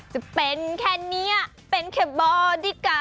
จะเป็นแค่นี้เป็นแค่บอดี้การ์